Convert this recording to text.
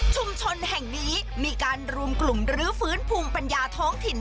แห่งนี้มีการรวมกลุ่มรื้อฟื้นภูมิปัญญาท้องถิ่น